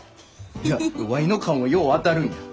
いやワイの勘はよう当たるんや。